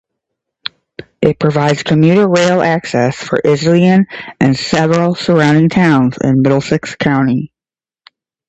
It provides commuter rail access for Iselin and several surrounding towns in Middlesex County.